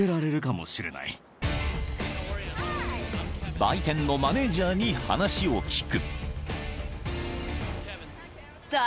［売店のマネジャーに話を聞く］